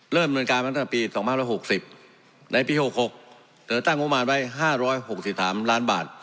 เริ่มบริเวณการตั้งแต่ปี๒๕๖๐ในปี๖๖เจอตั้งงบมารไว้๕๖๓ล้านบาท